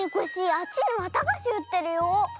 あっちにわたがしうってるよ。